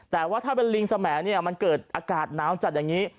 แต่ว่าถ้าเป็นลิงสมัยเนี่ยมันเกิดอากาศหนาวจัดอย่างนี้